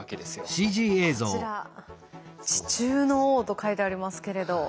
こちら「地中の王」と書いてありますけれど。